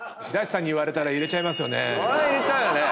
それは入れちゃうよね。